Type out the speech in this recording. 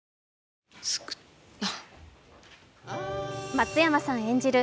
松山さん演じる